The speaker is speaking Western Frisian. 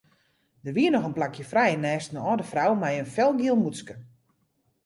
Der wie noch in plakje frij neist in âlde frou mei in felgiel mûtske.